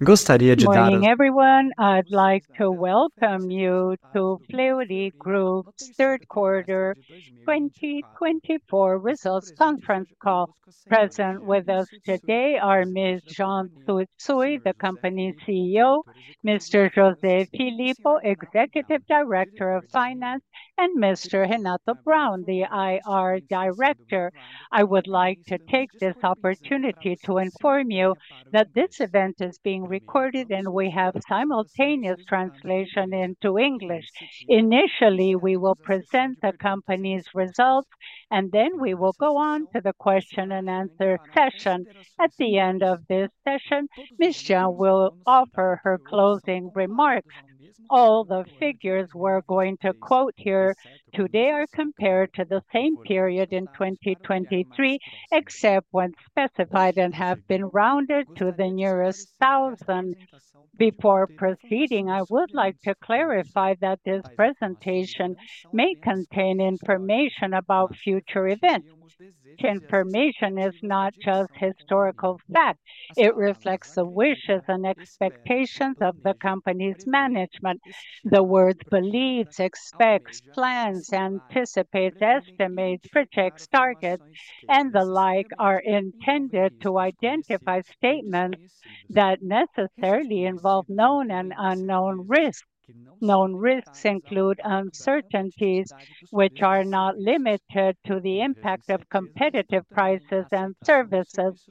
Good morning, everyone. I'd like to welcome you to Fleury Group's Q3 2024 Results Conference Call. Present with us today are Ms. Jeane Tsutsui, the Company CEO; Mr. José Filippo, Executive Director of Finance; and Mr. Renato Braun, the IR Director. I would like to take this opportunity to inform you that this event is being recorded and we have simultaneous translation into English. Initially, we will present the company's results, and then we will go on to the question-and-answer session. At the end of this session, Ms. Jeane will offer her closing remarks. All the figures we're going to quote here today are compared to the same period in 2023, except when specified and have been rounded to the nearest thousand. Before proceeding, I would like to clarify that this presentation may contain information about future events. Information is not just historical fact. It reflects the wishes and expectations of the company's management. The words "believes," "expects," "plans," "anticipates," "estimates," "projects," "targets," and the like are intended to identify statements that necessarily involve known and unknown risks. Known risks include uncertainties, which are not limited to the impact of competitive prices and services.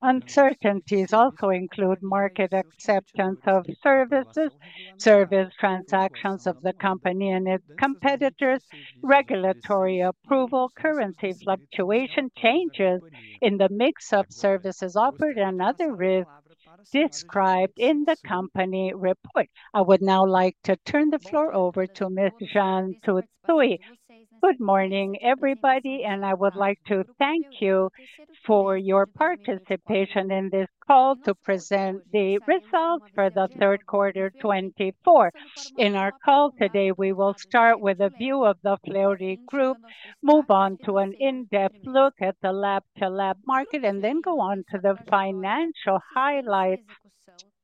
Uncertainties also include market acceptance of services, service transactions of the company and its competitors, regulatory approval, currency fluctuation, changes in the mix of services offered, and other risks described in the company report. I would now like to turn the floor over to Ms. Jeane Tsutsui. Good morning, everybody, and I would like to thank you for your participation in this call to present the results for the Q3 2024. In our call today, we will start with a view of the Fleury Group, move on to an in-depth look at the Lab-to-Lab market, and then go on to the financial highlights.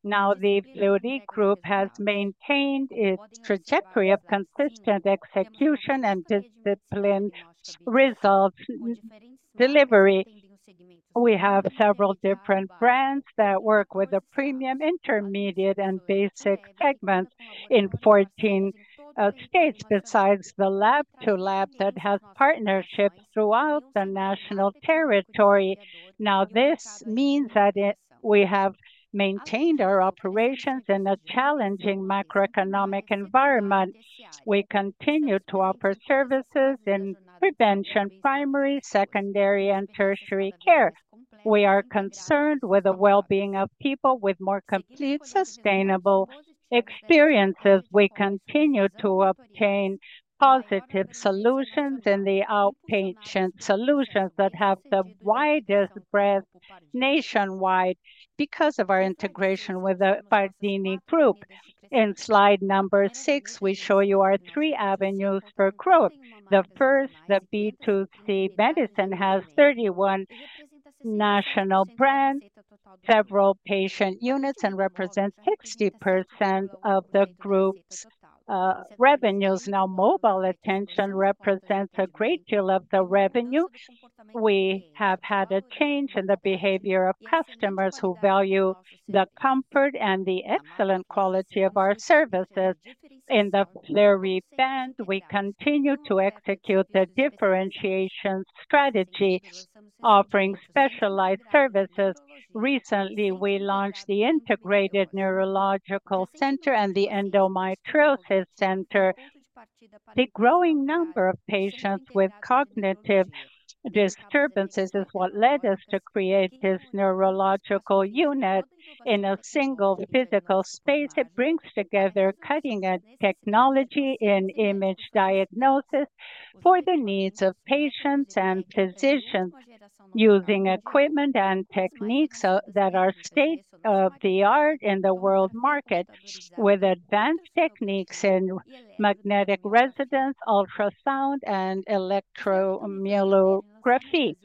Now, the Fleury Group has maintained its trajectory of consistent execution and disciplined results delivery. We have several different brands that work with the premium, intermediate, and basic segments in 14 states. Besides the Lab-to-Lab, that has partnerships throughout the national territory. Now, this means that we have maintained our operations in a challenging macroeconomic environment. We continue to offer services in prevention, primary, secondary, and tertiary care. We are concerned with the well-being of people with more complete, sustainable experiences. We continue to obtain positive solutions and the outpatient solutions that have the widest breadth nationwide because of our integration with the Pardini Group. In slide number six, we show you our three avenues for growth. The first, the B2C medicine, has 31 national brands, several patient units, and represents 60% of the group's revenues. Now, mobile services represents a great deal of the revenue. We have had a change in the behavior of customers who value the comfort and the excellent quality of our services. In the Fleury brand, we continue to execute the differentiation strategy, offering specialized services. Recently, we launched the Integrated Neurological Center and the Endometriosis Center. The growing number of patients with cognitive disturbances is what led us to create this neurological unit in a single physical space. It brings together cutting-edge technology in image diagnosis for the needs of patients and physicians, using equipment and techniques that are state-of-the-art in the world market, with advanced techniques in magnetic resonance, ultrasound, and electromyography.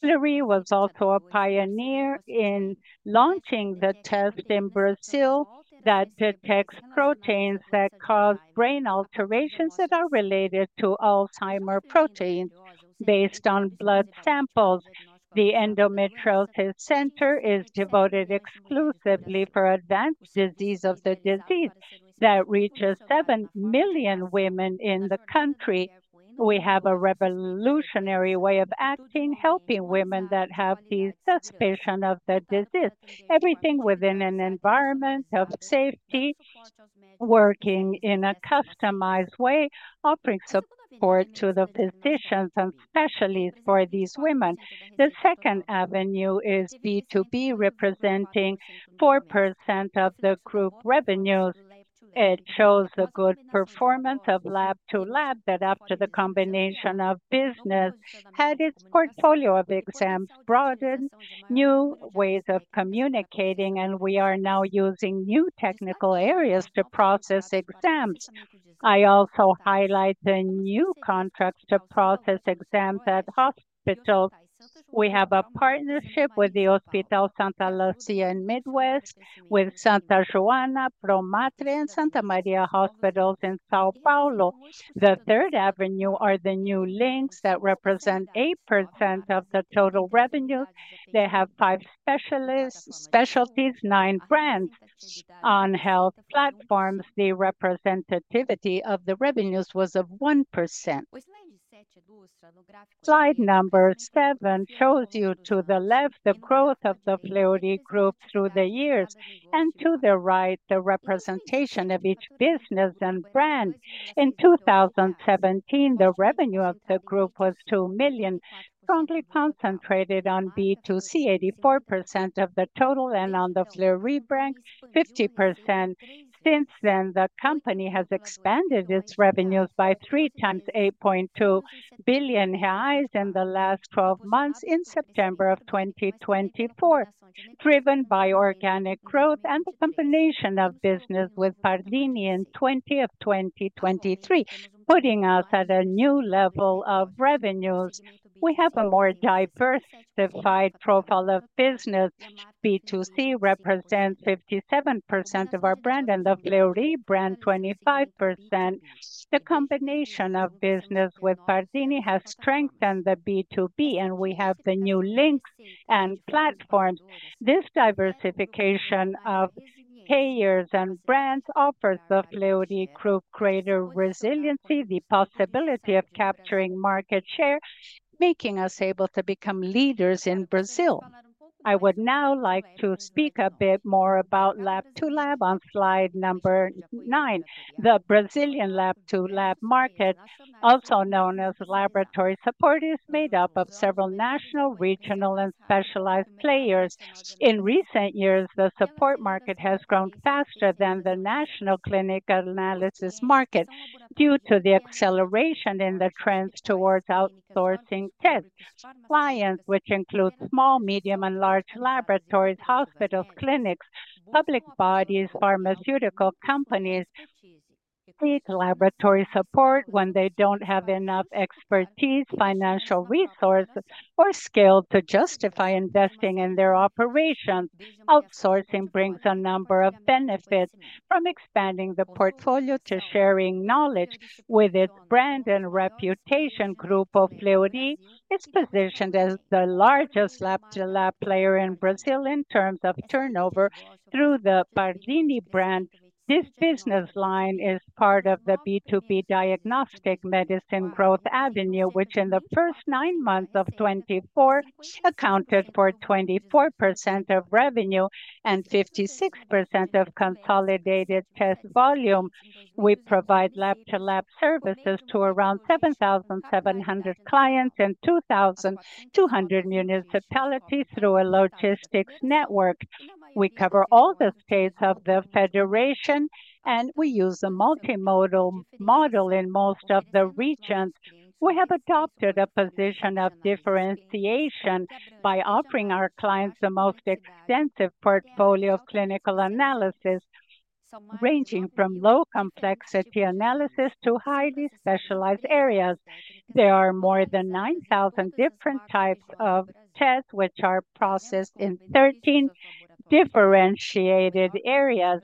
Fleury was also a pioneer in launching the test in Brazil that detects proteins that cause brain alterations that are related to Alzheimer's proteins based on blood samples. The Endometriosis Center is devoted exclusively to advanced disease of the disease that reaches seven million women in the country. We have a revolutionary way of acting, helping women that have the suspicion of the disease, everything within an environment of safety, working in a customized way, offering support to the physicians and specialists for these women. The second avenue is B2B, representing 4% of the group revenues. It shows the good performance of Lab-to-Lab that, after the combination of business, had its portfolio of exams broadened, new ways of communicating, and we are now using new technical areas to process exams. I also highlight the new contracts to process exams at hospitals. We have a partnership with the Hospital Santa Lúcia in Midwest, with Santa Joana, Pro Matre, and Santa Maria Hospitals in São Paulo. The third avenue are the Novos Elos that represent 8% of the total revenues. They have five specialties, nine brands. On health platforms, the representativity of the revenues was of 1%. Slide number seven shows you to the left the growth of the Fleury Group through the years, and to the right the representation of each business and brand. In 2017, the revenue of the group was 2 million, strongly concentrated on B2C, 84% of the total, and on the Fleury brand, 50%. Since then, the company has expanded its revenues by three times 8.2 billion reais in the last 12 months in September of 2024, driven by organic growth and the combination of business with Pardini in 2023, putting us at a new level of revenues. We have a more diversified profile of business. B2C represents 57% of our brand, and the Fleury brand 25%. The combination of business with Pardini has strengthened the B2B, and we have the New links and platforms. This diversification of payers and brands offers the Fleury Group greater resiliency, the possibility of capturing market share, making us able to become leaders in Brazil. I would now like to speak a bit more about lab-to-lab on slide number nine. The Brazilian lab-to-lab market, also known as laboratory support, is made up of several national, regional, and specialized players. In recent years, the support market has grown faster than the national clinical analysis market due to the acceleration in the trends towards outsourcing tech clients, which include small, medium, and large laboratories, hospitals, clinics, public bodies, pharmaceutical companies. These laboratories support when they don't have enough expertise, financial resources, or skill to justify investing in their operations. Outsourcing brings a number of benefits. From expanding the portfolio to sharing knowledge with its brand and reputation, Fleury Group is positioned as the largest lab-to-lab player in Brazil in terms of turnover through the Pardini brand. This business line is part of the B2B diagnostic medicine growth avenue, which in the first nine months of 2024 accounted for 24% of revenue and 56% of consolidated test volume. We provide lab-to-lab services to around 7,700 clients in 2,200 municipalities through a logistics network. We cover all the states of the federation, and we use a multimodal model in most of the regions. We have adopted a position of differentiation by offering our clients the most extensive portfolio of clinical analysis, ranging from low-complexity analysis to highly specialized areas. There are more than 9,000 different types of tests, which are processed in 13 differentiated areas.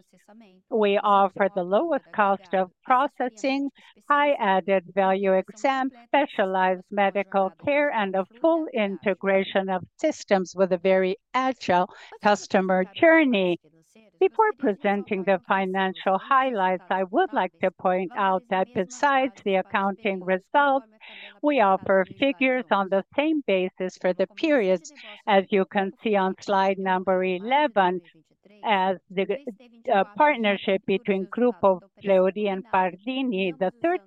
We offer the lowest cost of processing, high-added value exams, specialized medical care, and a full integration of systems with a very agile customer journey. Before presenting the financial highlights, I would like to point out that besides the accounting results, we offer figures on the same basis for the periods, as you can see on slide number 11, as the partnership between Fleury Group and Pardini in the Q3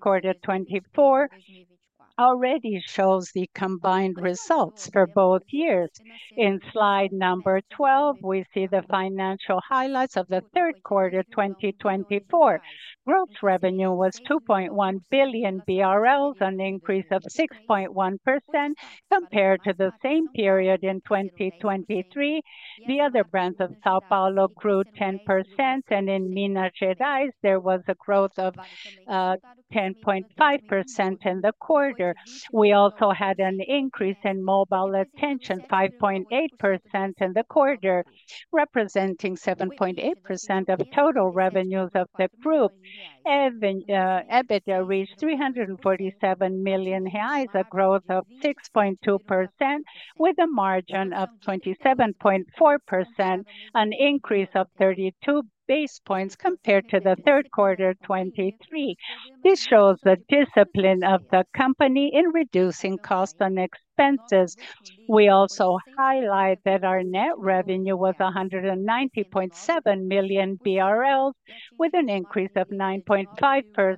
2024 already shows the combined results for both years. In slide number 12, we see the financial highlights of the Q3 2024. Gross revenue was 2.1 billion BRL, an increase of 6.1% compared to the same period in 2023. The other brands of São Paulo grew 10%, and in Minas Gerais, there was a growth of 10.5% in the quarter. We also had an increase in mobile services, 5.8% in the quarter, representing 7.8% of total revenues of the group. EBITDA reached 347 million reais, a growth of 6.2%, with a margin of 27.4%, an increase of 32 basis points compared to the Q3 2023. This shows the discipline of the company in reducing costs and expenses. We also highlight that our net revenue was 190.7 million BRL, with an increase of 9.5%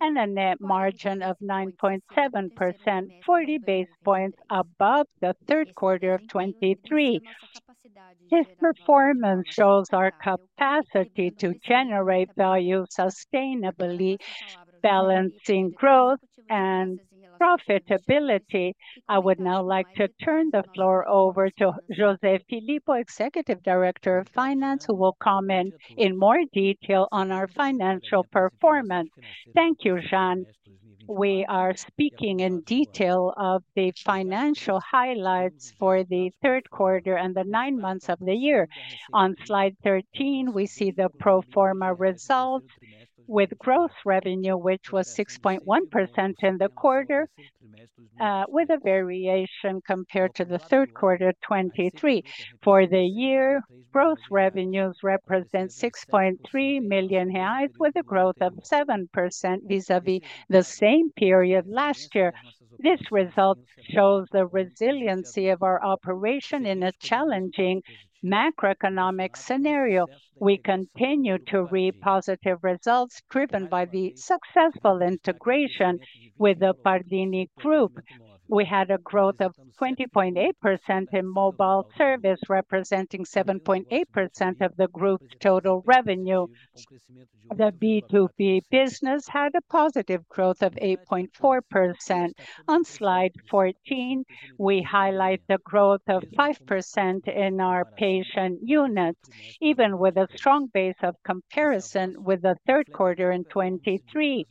and a net margin of 9.7%, 40 basis points above the Q3 of 2023. This performance shows our capacity to generate value sustainably, balancing growth and profitability. I would now like to turn the floor over to José Filippo, Executive Director of Finance, who will comment in more detail on our financial performance. Thank you, Jeane. We are speaking in detail of the financial highlights for the Q3 and the nine months of the year. On slide 13, we see the pro forma results with gross revenue, which was 6.1% in the quarter, with a variation compared to the Q3 2023. For the year, gross revenues represent 6.3 million reais, with a growth of 7% vis-à-vis the same period last year. This result shows the resiliency of our operation in a challenging macroeconomic scenario. We continue to reap positive results driven by the successful integration with the Pardini Group. We had a growth of 20.8% in mobile service, representing 7.8% of the group's total revenue. The B2B business had a positive growth of 8.4%. On slide 14, we highlight the growth of 5% in our patient units, even with a strong base of comparison with the Q3 in 2023.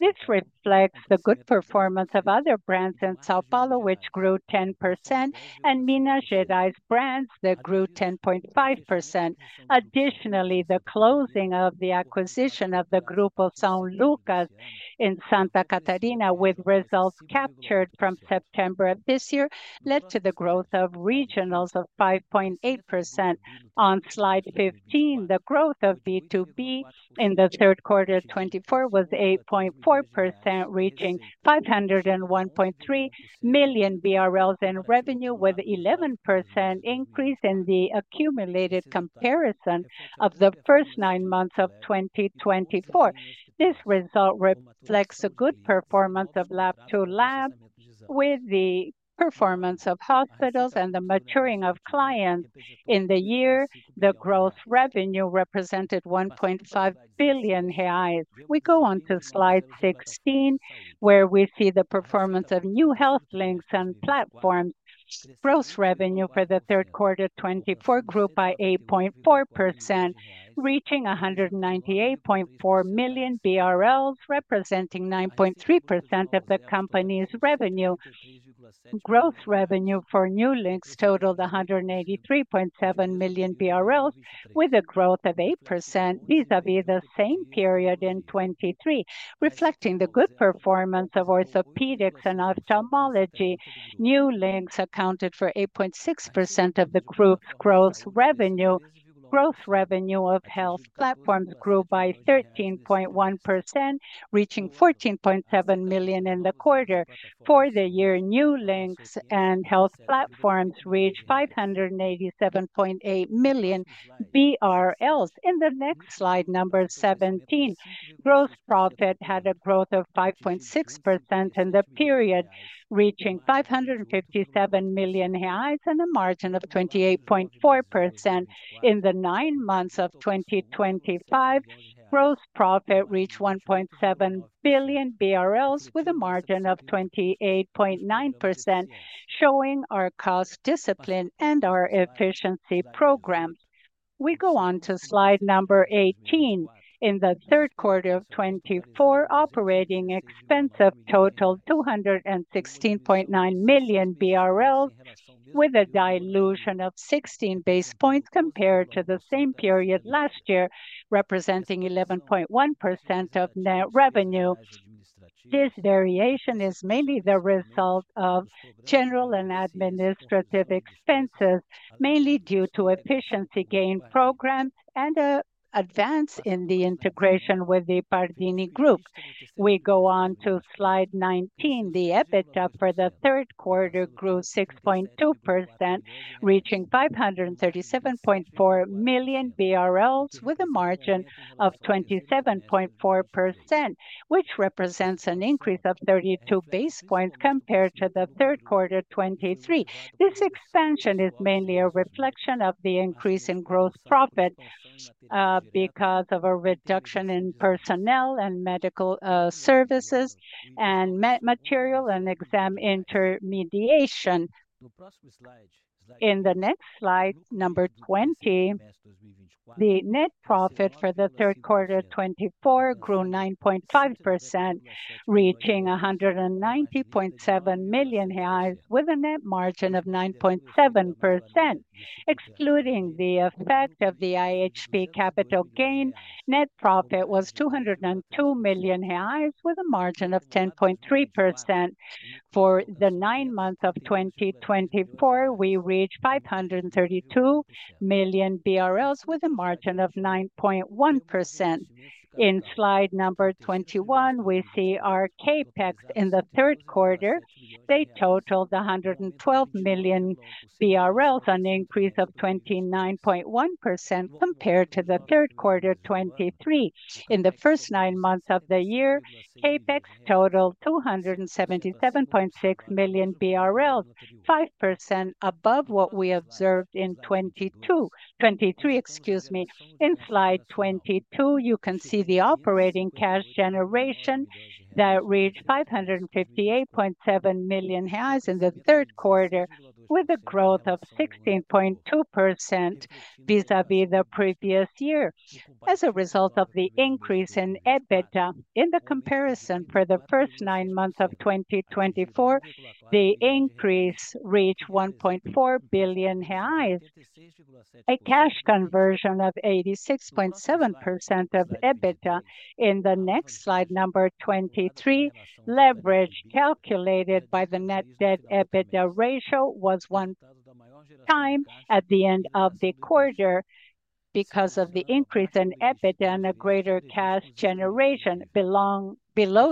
This reflects the good performance of other brands in São Paulo, which grew 10%, and Minas Gerais brands that grew 10.5%. Additionally, the closing of the acquisition of the São Lucas Group in Santa Catarina, with results captured from September of this year, led to the growth of regionals of 5.8%. On slide 15, the growth of B2B in the Q3 2024 was 8.4%, reaching 501.3 million BRL in revenue, with an 11% increase in the accumulated comparison of the first nine months of 2024. This result reflects the good performance of lab-to-lab, with the performance of hospitals and the maturing of clients in the year. The gross revenue represented 1.5 billion reais. We go on to slide 16, where we see the performance of new health links and platforms. Gross revenue for the Q3 2024 grew by 8.4%, reaching 198.4 million BRL, representing 9.3% of the company's revenue. Gross revenue for new links totaled 183.7 million BRL, with a growth of 8% vis-à-vis the same period in 2023, reflecting the good performance of orthopedics and ophthalmology. New links accounted for 8.6% of the group's gross revenue. Gross revenue of health platforms grew by 13.1%, reaching 14.7 million BRL in the quarter. For the year, new links and health platforms reached 587.8 million BRL. In the next slide, number 17, gross profit had a growth of 5.6% in the period, reaching 557 million reais, and a margin of 28.4%. In the nine months of 2025, gross profit reached 1.7 billion BRL, with a margin of 28.9%, showing our cost discipline and our efficiency program. We go on to slide number 18. In the Q3 of 2024, operating expenses totaled 216.9 million BRL, with a dilution of 16 basis points compared to the same period last year, representing 11.1% of net revenue. This variation is mainly the result of general and administrative expenses, mainly due to efficiency gain programs and an advance in the integration with the Pardini Group. We go on to slide 19. The EBITDA for the Q3 grew 6.2%, reaching 537.4 million BRL, with a margin of 27.4%, which represents an increase of 32 basis points compared to the Q3 2023. This expansion is mainly a reflection of the increase in gross profit because of a reduction in personnel and medical services and material and exam intermediation. In the next slide, number 20, the net profit for the Q3 2024 grew 9.5%, reaching 190.7 million reais, with a net margin of 9.7%. Excluding the effect of the IHP capital gain, net profit was 202 million reais, with a margin of 10.3%. For the nine months of 2024, we reached 532 million BRL, with a margin of 9.1%. In slide number 21, we see our CapEx in the Q3. They totaled 112 million BRL, an increase of 29.1% compared to the Q3 2023. In the first nine months of the year, CapEx totaled 277.6 million BRL, 5% above what we observed in 2022. 2023, excuse me. In slide 22, you can see the operating cash generation that reached 558.7 million reais in the Q3, with a growth of 16.2% vis-à-vis the previous year. As a result of the increase in EBITDA in the comparison for the first nine months of 2024, the increase reached 1.4 billion reais. A cash conversion of 86.7% of EBITDA. In the next slide, number 23, leverage calculated by the net debt EBITDA ratio was one time at the end of the quarter. Because of the increase in EBITDA and a greater cash generation below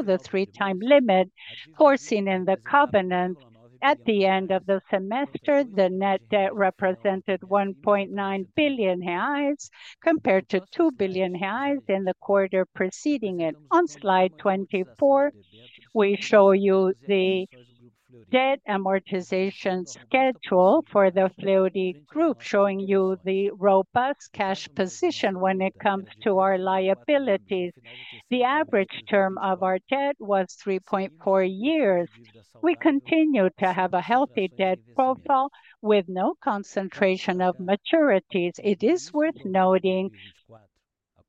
the three-time limit foreseen in the covenant at the end of the semester, the net debt represented 1.9 billion reais compared to 2 billion reais in the quarter preceding it. On slide 24, we show you the debt amortization schedule for the Fleury Group, showing you the robust cash position when it comes to our liabilities. The average term of our debt was 3.4 years. We continue to have a healthy debt profile with no concentration of maturities. It is worth noting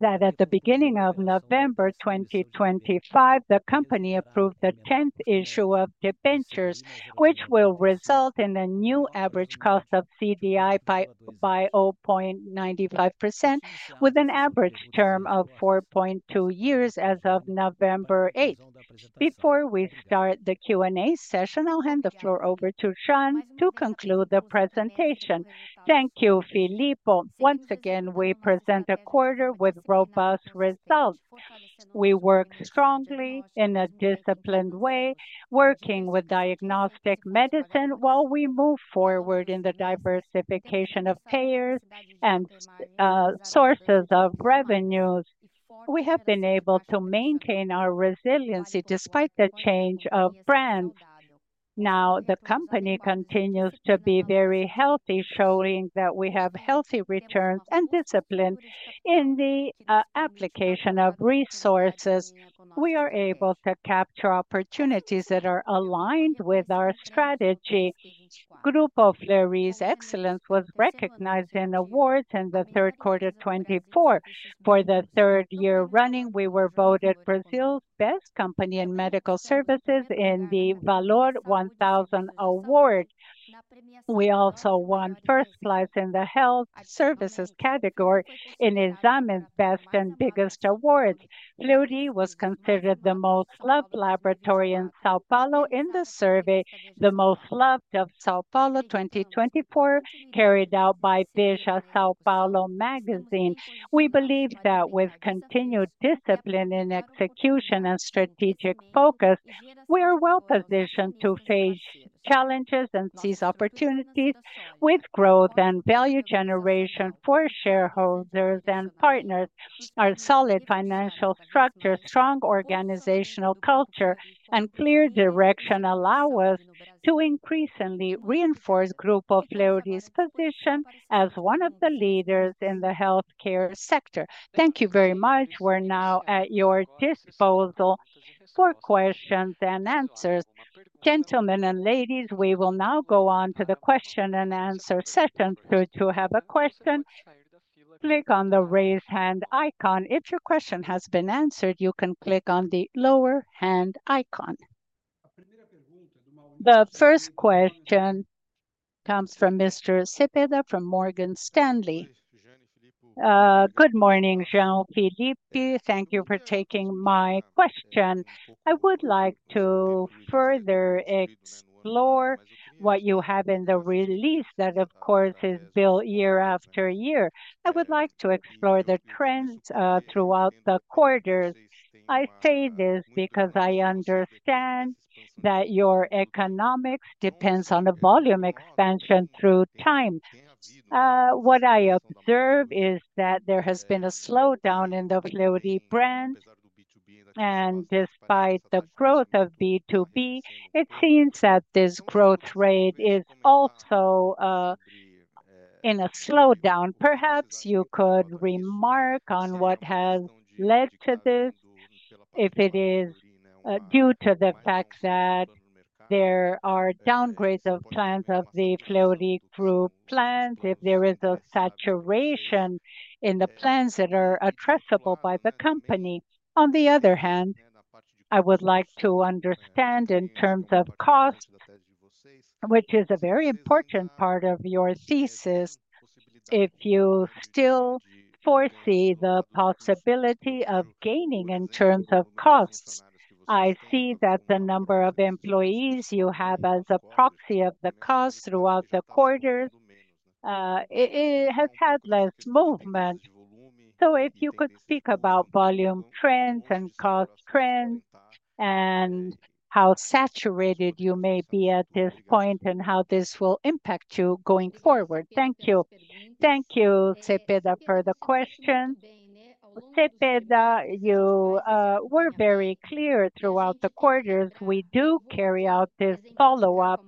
that at the beginning of November 2025, the company approved the 10th issue of debentures, which will result in a new average cost of CDI by 0.95%, with an average term of 4.2 years as of 8th November. Before we start the Q&A session, I'll hand the floor over to Jeane to conclude the presentation. Thank you, Filippo. Once again, we present a quarter with robust results. We work strongly in a disciplined way, working with diagnostic medicine while we move forward in the diversification of payers and sources of revenues. We have been able to maintain our resiliency despite the change of brands. Now, the company continues to be very healthy, showing that we have healthy returns and discipline in the application of resources. We are able to capture opportunities that are aligned with our strategy. Fleury Group's excellence was recognized in awards in the Q3 2024. For the third year running, we were voted Brazil's best company in medical services in the Valor 1000 award. We also won first place in the health services category in Exame's Best and Biggest Awards. Fleury was considered the most loved laboratory in São Paulo in the survey, The Most Loved of São Paulo 2024, carried out by Veja São Paulo magazine. We believe that with continued discipline in execution and strategic focus, we are well positioned to face challenges and seize opportunities with growth and value generation for shareholders and partners. Our solid financial structure, strong organizational culture, and clear direction allow us to increasingly reinforce Fleury Group's position as one of the leaders in the healthcare sector. Thank you very much. We're now at your disposal for questions and answers. Gentlemen and ladies, we will now go on to the question and answer session. Those who have a question, click on the raise hand icon. If your question has been answered, you can click on the lower hand icon. The first question comes from Mr. Cepeda from Morgan Stanley. Good morning, Jeane, Filippo.Thank you for taking my question. I would like to further explore what you have in the release that, of course, is built year after year. I would like to explore the trends throughout the quarters. I say this because I understand that your economics depends on the volume expansion through time. What I observe is that there has been a slowdown in the Fleury brand, and despite the growth of B2B, it seems that this growth rate is also in a slowdown. Perhaps you could remark on what has led to this, if it is due to the fact that there are downgrades of plans of the Fleury Group plans, if there is a saturation in the plans that are addressable by the company. On the other hand, I would like to understand in terms of costs, which is a very important part of your thesis. If you still foresee the possibility of gaining in terms of costs, I see that the number of employees you have as a proxy of the cost throughout the quarters; it has had less movement. So if you could speak about volume trends and cost trends and how saturated you may be at this point and how this will impact you going forward. Thank you. Thank you, Cepeda, for the question. Cepeda, you were very clear throughout the quarters. We do carry out this follow-up,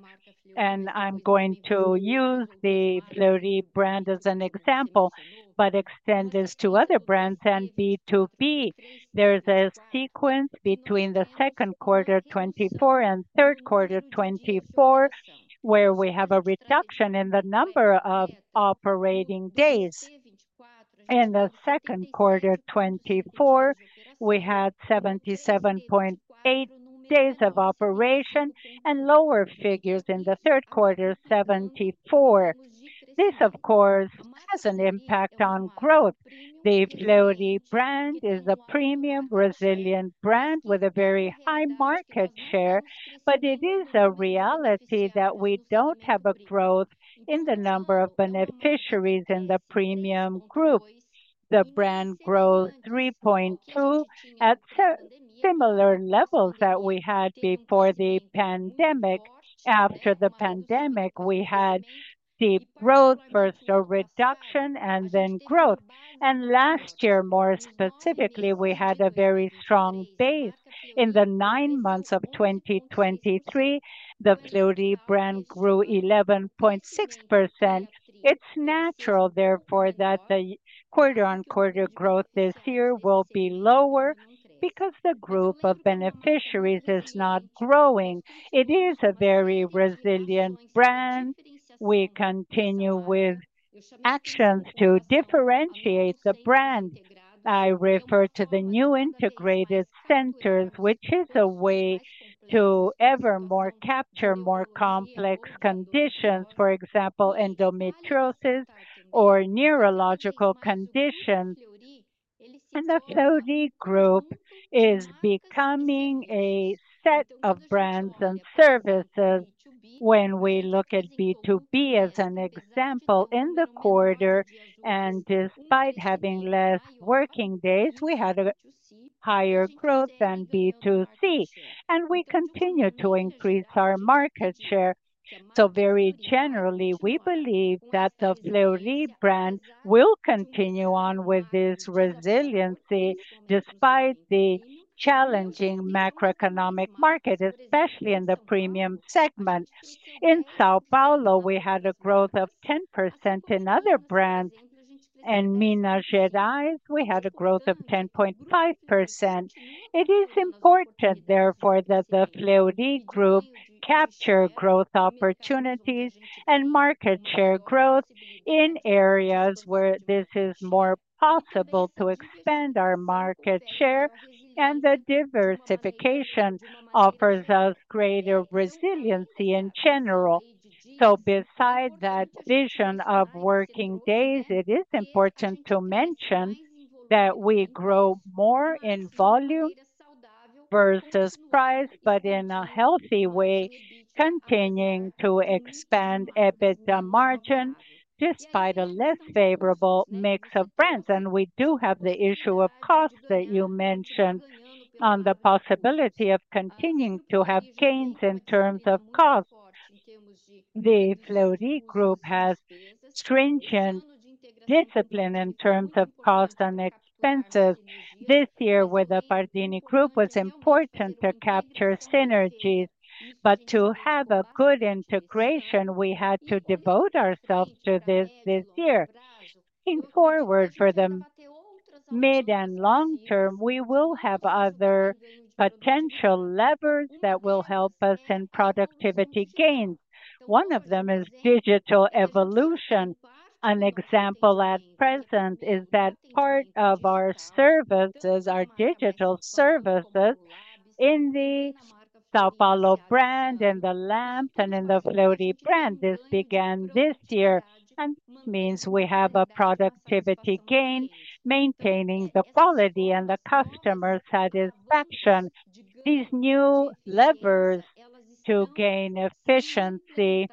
and I'm going to use the Fleury brand as an example, but extend this to other brands and B2B. There's a sequence between the Q2 2024 and Q3 2024 where we have a reduction in the number of operating days. In the Q2 2024, we had 77.8 days of operation and lower figures in the Q3, 74. This, of course, has an impact on growth. The Fleury brand is a premium Brazilian brand with a very high market share, but it is a reality that we don't have a growth in the number of beneficiaries in the premium group. The brand grows 3.2 at similar levels that we had before the pandemic. After the pandemic, we had deep growth, first a reduction, and then growth. And last year, more specifically, we had a very strong base. In the nine months of 2023, the Fleury brand grew 11.6%. It's natural, therefore, that the quarter-on-quarter growth this year will be lower because the group of beneficiaries is not growing. It is a very resilient brand. We continue with actions to differentiate the brand. I refer to the new integrated centers, which is a way to ever more capture more complex conditions, for example, endometriosis or neurological conditions, and the Fleury Group is becoming a set of brands and services when we look at B2B as an example in the quarter, and despite having less working days, we had a higher growth than B2C, and we continue to increase our market share, so very generally, we believe that the Fleury brand will continue on with this resiliency despite the challenging macroeconomic market, especially in the premium segment. In São Paulo, we had a growth of 10% in other brands. In Minas Gerais, we had a growth of 10.5%. It is important, therefore, that the Fleury Group capture growth opportunities and market share growth in areas where this is more possible to expand our market share, and the diversification offers us greater resiliency in general, so beside that vision of working days, it is important to mention that we grow more in volume versus price, but in a healthy way, continuing to expand EBITDA margin despite a less favorable mix of brands, and we do have the issue of costs that you mentioned on the possibility of continuing to have gains in terms of costs. The Fleury Group has stringent discipline in terms of costs and expenses. This year with the Pardini Group was important to capture synergies, but to have a good integration, we had to devote ourselves to this year. Looking forward for the mid and long term, we will have other potential levers that will help us in productivity gains. One of them is digital evolution. An example at present is that part of our services are digital services in the São Paulo brand, in the labs, and in the Fleury brand. This began this year, and this means we have a productivity gain maintaining the quality and the customer satisfaction. These new levers to gain efficiency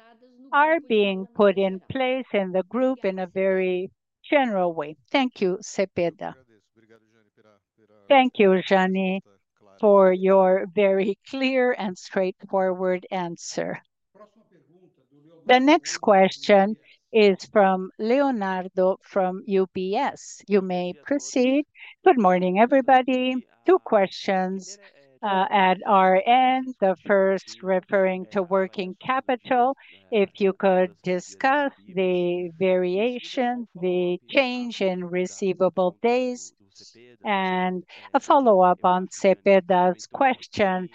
are being put in place in the group in a very general way. Thank you, Cepeda. Thank you, Jeane, for your very clear and straightforward answer. The next question is from Leonardo from UBS. You may proceed. Good morning, everybody. Two questions at our end. The first referring to working capital. If you could discuss the variations, the change in receivable days, and a follow-up on Cepeda's question.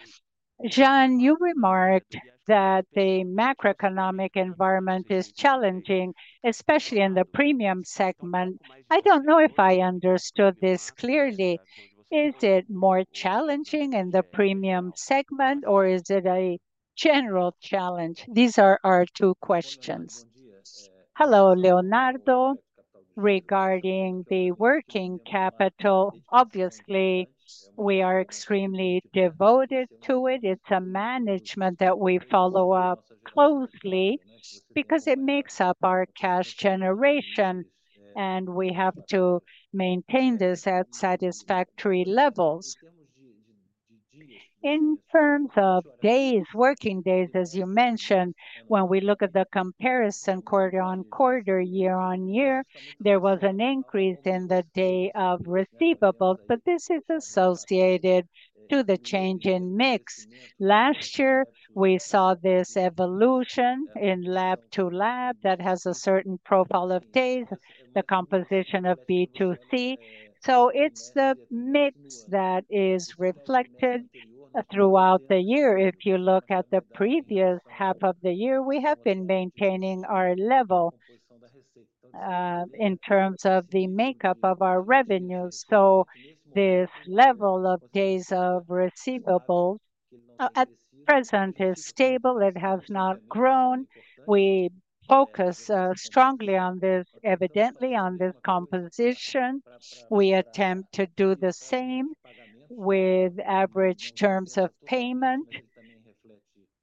Jeane, you remarked that the macroeconomic environment is challenging, especially in the premium segment. I don't know if I understood this clearly. Is it more challenging in the premium segment, or is it a general challenge? These are our two questions. Hello, Leonardo. Regarding the working capital, obviously, we are extremely devoted to it. It's a management that we follow up closely because it makes up our cash generation, and we have to maintain this at satisfactory levels. In terms of days, working days, as you mentioned, when we look at the comparison quarter on quarter, year on year, there was an increase in the days of receivables, but this is associated to the change in mix. Last year, we saw this evolution in lab to lab that has a certain profile of days, the composition of B2C. So it's the mix that is reflected throughout the year. If you look at the previous half of the year, we have been maintaining our level in terms of the makeup of our revenue. So this level of days of receivables at present is stable. It has not grown. We focus strongly on this, evidently on this composition. We attempt to do the same with average terms of payment.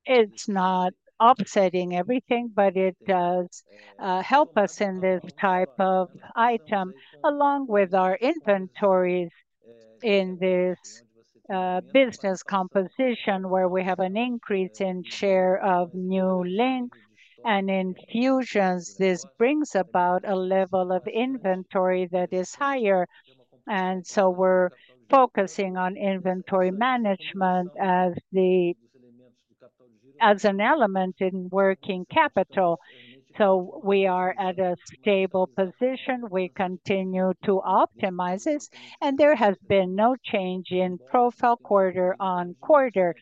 It's not upsetting everything, but it does help us in this type of item, along with our inventories in this business composition where we have an increase in share of New Links and infusions. This brings about a level of inventory that is higher. And so we're focusing on inventory management as an element in working capital. So we are at a stable position. We continue to optimize this, and there has been no change in profile quarter on quarter,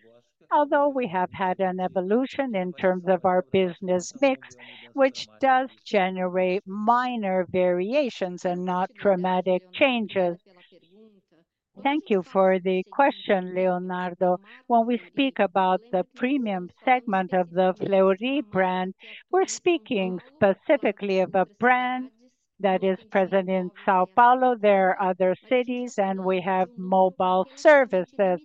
although we have had an evolution in terms of our business mix, which does generate minor variations and not dramatic changes. Thank you for the question, Leonardo. When we speak about the premium segment of the Fleury brand, we're speaking specifically of a brand that is present in São Paulo. There are other cities, and we have mobile services.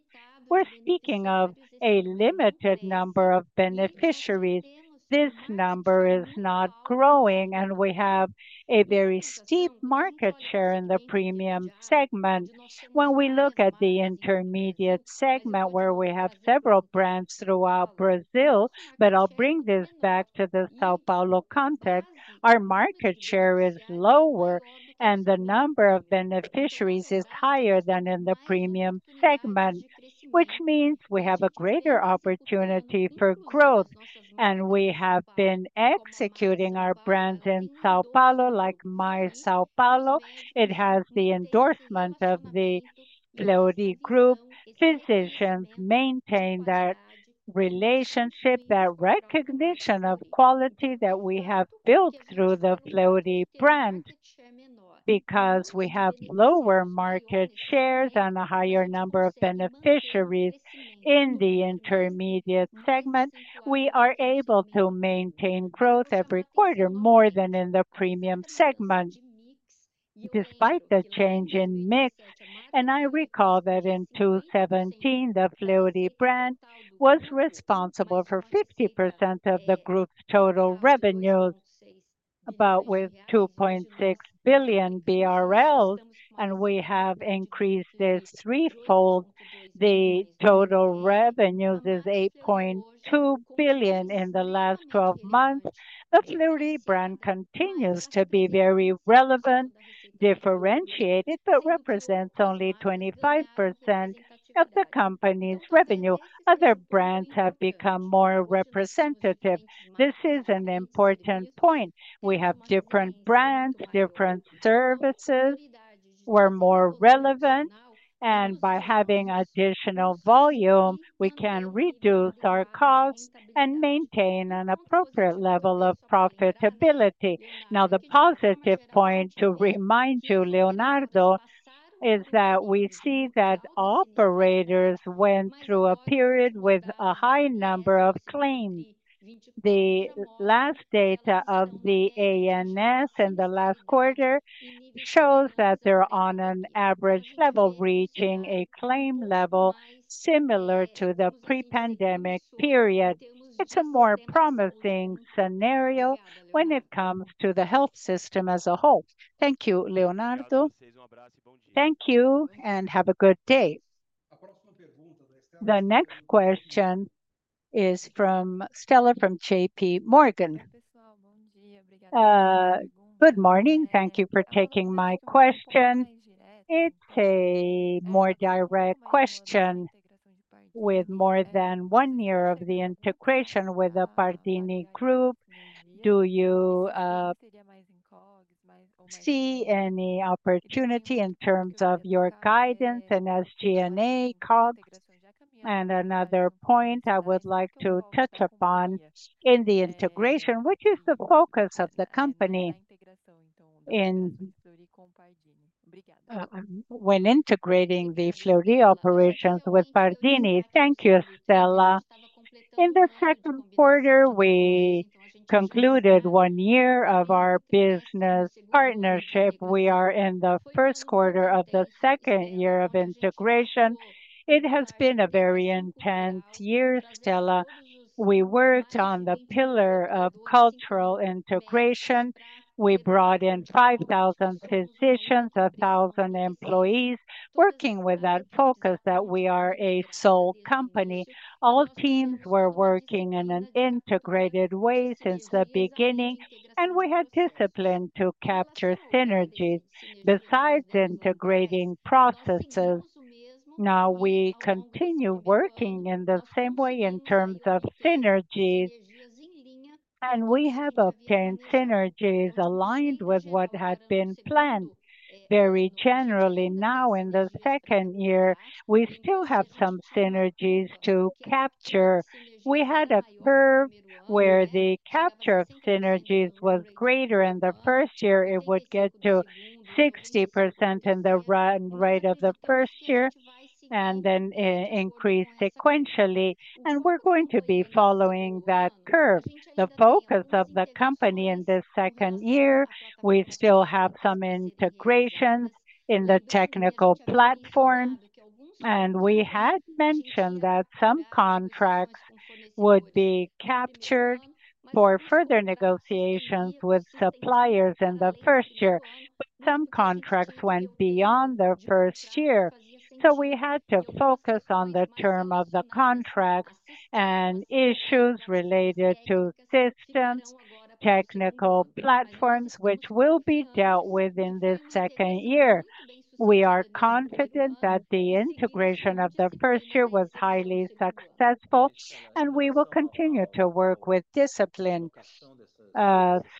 We're speaking of a limited number of beneficiaries. This number is not growing, and we have a very steep market share in the premium segment. When we look at the intermediate segment, where we have several brands throughout Brazil, but I'll bring this back to the São Paulo context, our market share is lower, and the number of beneficiaries is higher than in the premium segment, which means we have a greater opportunity for growth, and we have been executing our brands in São Paulo, like a+ São Paulo. It has the endorsement of the Fleury Group. Physicians maintain that relationship, that recognition of quality that we have built through the Fleury brand. Because we have lower market shares and a higher number of beneficiaries in the intermediate segment, we are able to maintain growth every quarter more than in the premium segment, despite the change in mix. I recall that in 2017, the Fleury brand was responsible for 50% of the group's total revenues, about with 2.6 billion BRL, and we have increased this threefold. The total revenues is 8.2 billion in the last 12 months. The Fleury brand continues to be very relevant, differentiated, but represents only 25% of the company's revenue. Other brands have become more representative. This is an important point. We have different brands, different services. We're more relevant, and by having additional volume, we can reduce our costs and maintain an appropriate level of profitability. Now, the positive point to remind you, Leonardo, is that we see that operators went through a period with a high number of claims. The last data of the ANS in the last quarter shows that they're on an average level, reaching a claim level similar to the pre-pandemic period. It's a more promising scenario when it comes to the health system as a whole. Thank you, Leonardo. Thank you, and have a good day. The next question is from Stella from JP Morgan. Good morning. Thank you for taking my question. It's a more direct question. With more than one year of the integration with the Pardini Group, do you see any opportunity in terms of your guidance and SG&A? And another point I would like to touch upon in the integration, which is the focus of the company when integrating the Fleury operations with Pardini. Thank you, Stella. In the Q2, we concluded one year of our business partnership. We are in the Q1 of the second year of integration. It has been a very intense year, Stella. We worked on the pillar of cultural integration. We brought in 5,000 physicians, 1,000 employees, working with that focus that we are a sole company. All teams were working in an integrated way since the beginning, and we had discipline to capture synergies. Besides integrating processes, now we continue working in the same way in terms of synergies, and we have obtained synergies aligned with what had been planned. Very generally, now in the second year, we still have some synergies to capture. We had a curve where the capture of synergies was greater in the first year. It would get to 60% in the end of the first year and then increase sequentially, and we're going to be following that curve. The focus of the company in this second year, we still have some integrations in the technical platform, and we had mentioned that some contracts would be captured for further negotiations with suppliers in the first year. Some contracts went beyond the first year, so we had to focus on the term of the contracts and issues related to systems, technical platforms, which will be dealt with in this second year. We are confident that the integration of the first year was highly successful, and we will continue to work with discipline.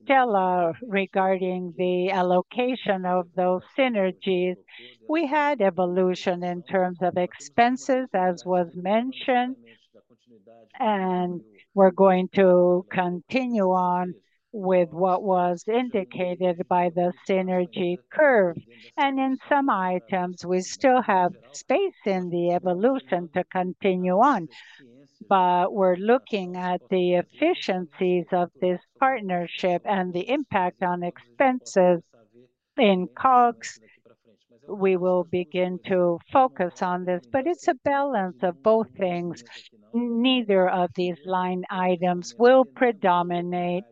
Stella, regarding the allocation of those synergies, we had evolution in terms of expenses, as was mentioned, and we're going to continue on with what was indicated by the synergy curve, and in some items, we still have space in the evolution to continue on. But we're looking at the efficiencies of this partnership and the impact on expenses in COGS. We will begin to focus on this, but it's a balance of both things. Neither of these line items will predominate,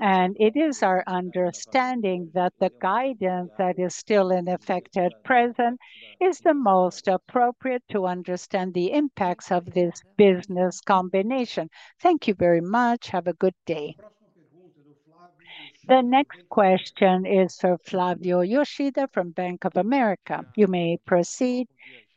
and it is our understanding that the guidance that is still in effect at present is the most appropriate to understand the impacts of this business combination. Thank you very much. Have a good day. The next question is for Flavio Yoshida from Bank of America. You may proceed.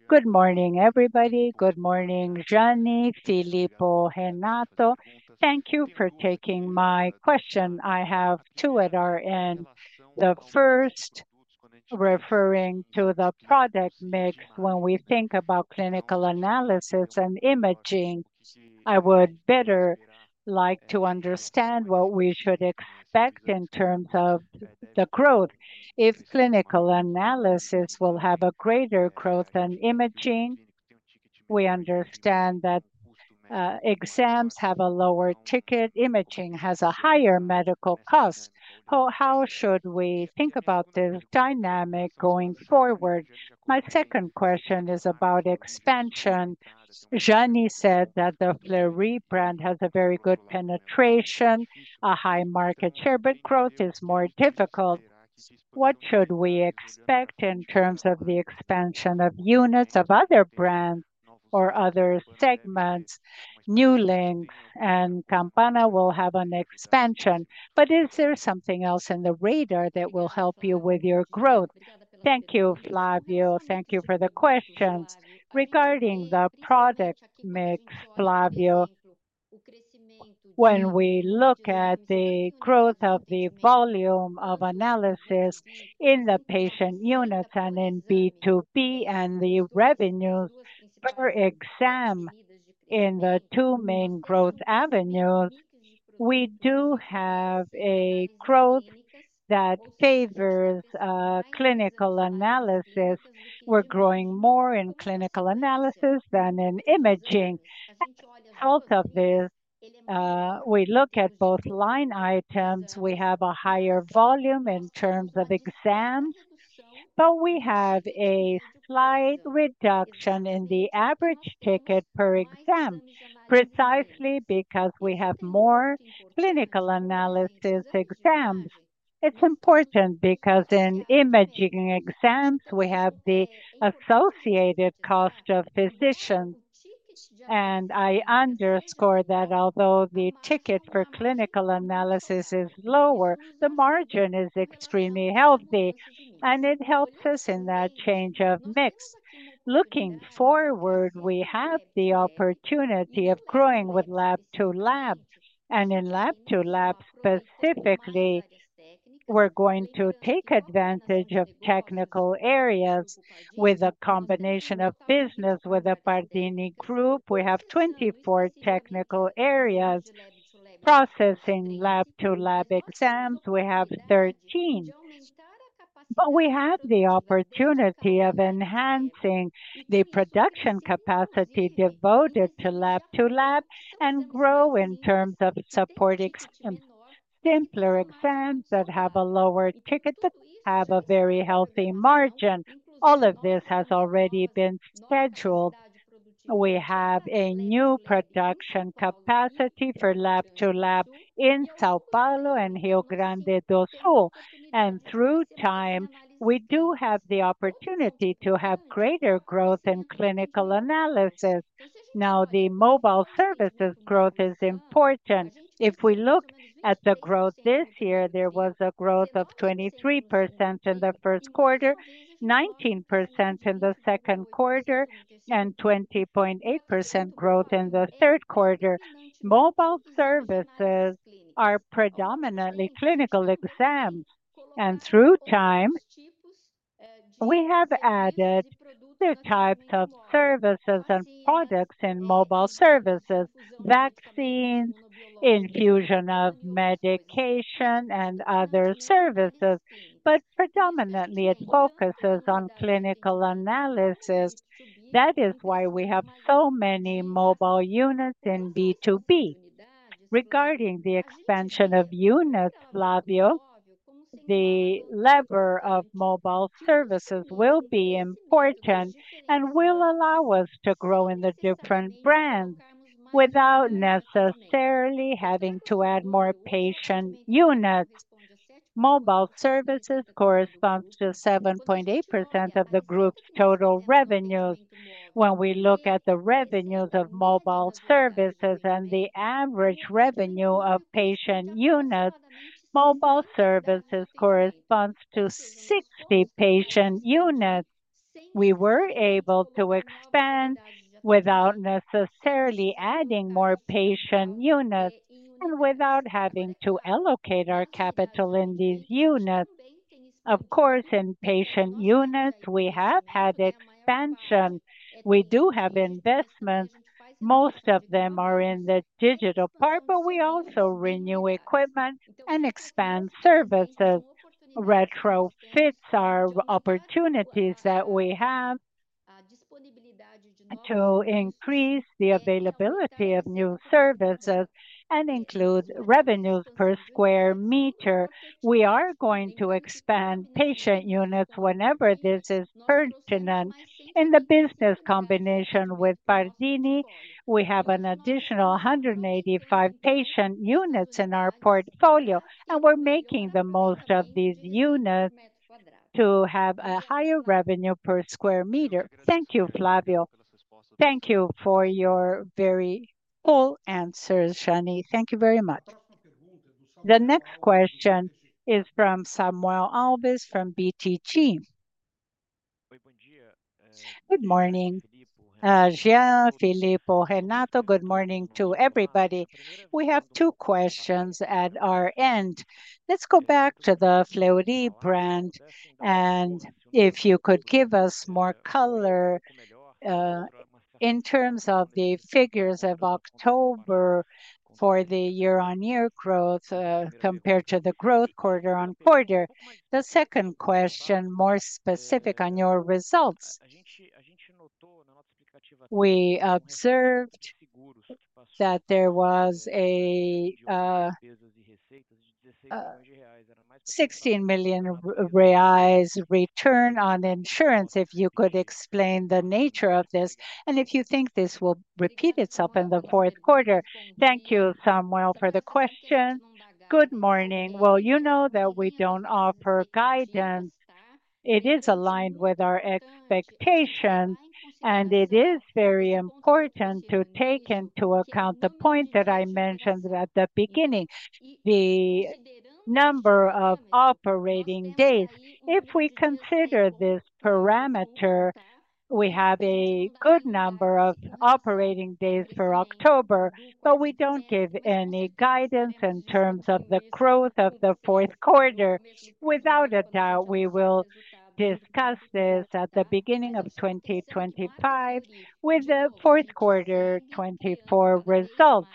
Good morning, everybody. Good morning, Jeane, José, Renato. Thank you for taking my question. I have two at our end. The first referring to the product mix when we think about clinical analysis and imaging. I would better like to understand what we should expect in terms of the growth. If clinical analysis will have a greater growth than imaging, we understand that exams have a lower ticket, imaging has a higher medical cost. How should we think about this dynamic going forward? My second question is about expansion. Jeane said that the Fleury brand has a very good penetration, a high market share, but growth is more difficult. What should we expect in terms of the expansion of units of other brands or other segments? New links and Campana will have an expansion, but is there something else in the radar that will help you with your growth? Thank you, Flavio. Thank you for the questions. Regarding the product mix, Flavio, when we look at the growth of the volume of analysis in the patient units and in B2B and the revenues per exam in the two main growth avenues, we do have a growth that favors clinical analysis. We're growing more in clinical analysis than in imaging. Out of this, we look at both line items, we have a higher volume in terms of exams, but we have a slight reduction in the average ticket per exam precisely because we have more clinical analysis exams. It's important because in imaging exams, we have the associated cost of physicians, and I underscore that although the ticket for clinical analysis is lower, the margin is extremely healthy, and it helps us in that change of mix. Looking forward, we have the opportunity of growing with lab to lab, and in lab to lab specifically, we're going to take advantage of technical areas with a combination of business with the Pardini Group. We have 24 technical areas. Processing lab to lab exams, we have 13. But we have the opportunity of enhancing the production capacity devoted to lab to lab and grow in terms of supporting simpler exams that have a lower ticket but have a very healthy margin. All of this has already been scheduled. We have a new production capacity for lab to lab in São Paulo and Rio Grande do Sul. And through time, we do have the opportunity to have greater growth in clinical analysis. Now, the mobile services growth is important. If we look at the growth this year, there was a growth of 23% in the Q1, 19% in the Q2, and 20.8% growth in the Q3. Mobile services are predominantly clinical exams. And through time, we have added other types of services and products in mobile services, vaccines, infusion of medication, and other services, but predominantly it focuses on clinical analysis. That is why we have so many mobile units in B2B. Regarding the expansion of units, Flavio, the lever of mobile services will be important and will allow us to grow in the different brands without necessarily having to add more patient units. Mobile services corresponds to 7.8% of the group's total revenues. When we look at the revenues of mobile services and the average revenue of patient units, mobile services corresponds to 60 patient units. We were able to expand without necessarily adding more patient units and without having to allocate our capital in these units. Of course, in patient units, we have had expansion. We do have investments. Most of them are in the digital part, but we also renew equipment and expand services. Retrofits are opportunities that we have to increase the availability of new services and include revenues per square meter. We are going to expand patient units whenever this is pertinent. In the business combination with Pardini, we have an additional 185 patient units in our portfolio, and we're making the most of these units to have a higher revenue per square meter. Thank you, Flavio. Thank you for your very full answers, Jeane. Thank you very much. The next question is from Samuel Alves from BTG. Good morning. Jeane, Filippo, Renato, good morning to everybody. We have two questions at our end. Let's go back to the Fleury brand, and if you could give us more color in terms of the figures of October for the year-on-year growth compared to the growth quarter on quarter. The second question, more specific on your results. We observed that there was a 16 million reais return on insurance. If you could explain the nature of this, and if you think this will repeat itself in the Q4? Thank you, Samuel, for the question. Good morning. Well, you know that we don't offer guidance. It is aligned with our expectations, and it is very important to take into account the point that I mentioned at the beginning, the number of operating days. If we consider this parameter, we have a good number of operating days for October, but we don't give any guidance in terms of the growth of the Q4. Without a doubt, we will discuss this at the beginning of 2025 with the Q4 2024 results.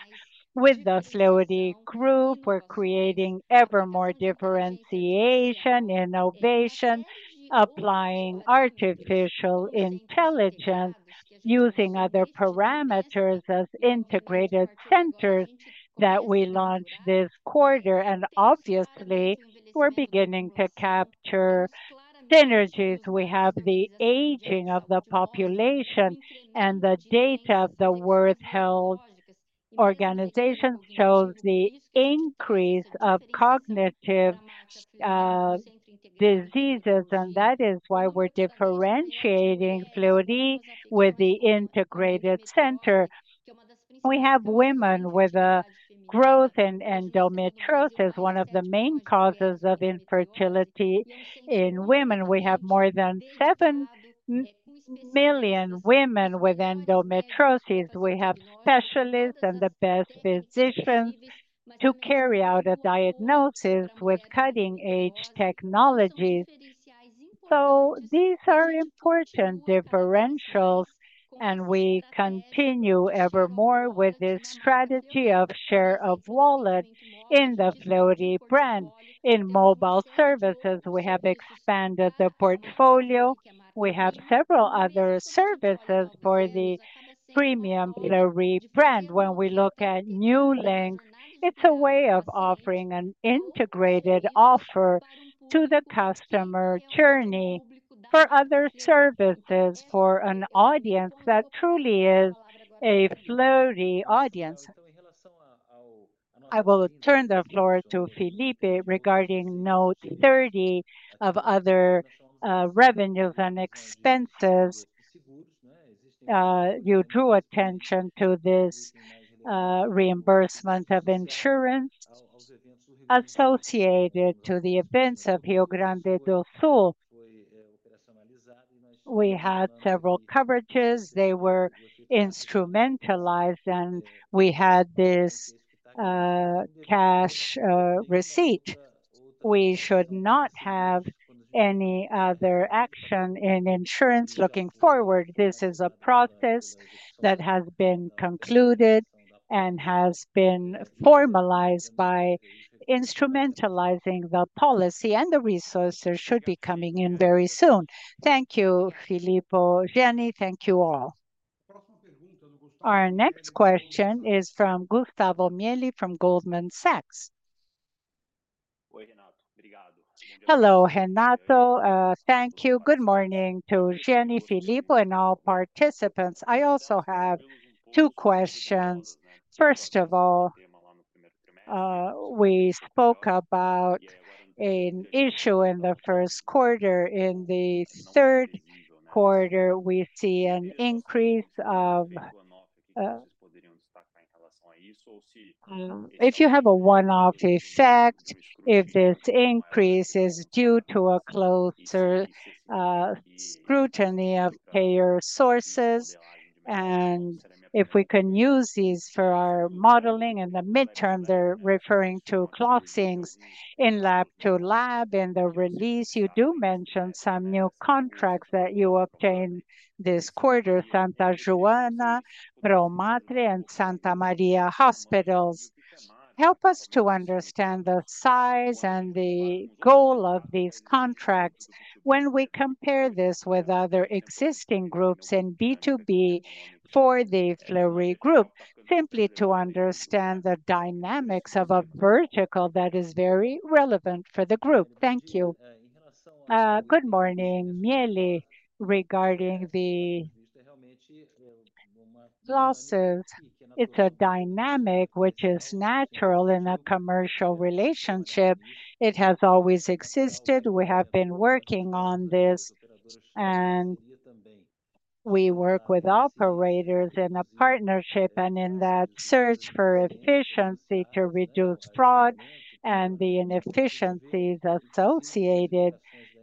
With the Fleury Group, we're creating ever more differentiation, innovation, applying artificial intelligence, using other parameters as integrated centers that we launched this quarter. And obviously, we're beginning to capture synergies. We have the aging of the population, and the data of the world health organizations shows the increase of cognitive diseases, and that is why we're differentiating Fleury with the integrated center. We have women with a growth in endometriosis, one of the main causes of infertility in women. We have more than seven million women with endometriosis. We have specialists and the best physicians to carry out a diagnosis with cutting-edge technologies. So these are important differentials, and we continue ever more with this strategy of share of wallet in the Fleury brand. In mobile services, we have expanded the portfolio. We have several other services for the premium Fleury brand. When we look at new links, it's a way of offering an integrated offer to the customer journey for other services for an audience that truly is a Fleury audience. I will turn the floor to Filippo regarding note 30 of other revenues and expenses. You drew attention to this reimbursement of insurance associated to the events of Rio Grande do Sul. We had several coverages. They were instrumentalized, and we had this cash receipt. We should not have any other action in insurance looking forward. This is a process that has been concluded and has been formalized by instrumentalizing the policy, and the resources should be coming in very soon. Thank you, Filippo, Jeane. Thank you all. Our next question is from Gustavo Miele from Goldman Sachs. Hello, Renato. Thank you. Good morning to Jeane, Filippo, and all participants. I also have two questions. First of all, we spoke about an issue in the Q1. In the Q3, we see an increase of, if you have a one-off effect, if this increase is due to a closer scrutiny of payer sources, and if we can use these for our modeling in the midterm. They're referring to crossings in Lab-to-Lab in the release. You do mention some new contracts that you obtained this quarter, Santa Joana, Pro Matre, and Santa Maria hospitals. Help us to understand the size and the goal of these contracts when we compare this with other existing groups in B2B for the Fleury Group, simply to understand the dynamics of a vertical that is very relevant for the group. Thank you. Good morning, Mieli, regarding the losses. It's a dynamic which is natural in a commercial relationship. It has always existed. We have been working on this, and we work with operators in a partnership, and in that search for efficiency to reduce fraud and the inefficiencies associated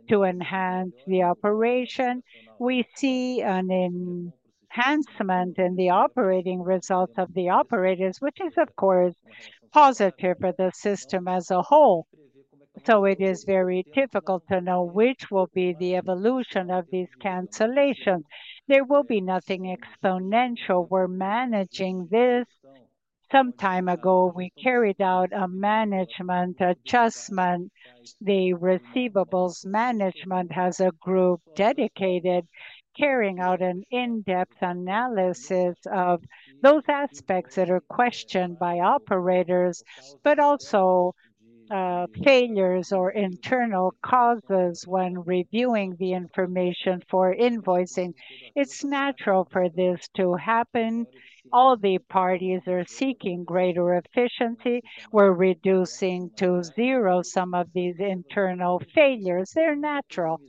to enhance the operation, we see an enhancement in the operating results of the operators, which is, of course, positive for the system as a whole. So it is very difficult to know which will be the evolution of these cancellations. There will be nothing exponential. We're managing this. Some time ago, we carried out a management adjustment. The receivables management has a group dedicated to carrying out an in-depth analysis of those aspects that are questioned by operators, but also failures or internal causes when reviewing the information for invoicing. It's natural for this to happen. All the parties are seeking greater efficiency. We're reducing to zero some of these internal failures. They're natural.